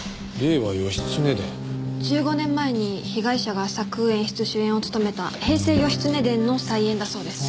１５年前に被害者が作演出主演を務めた『平成義経伝』の再演だそうです。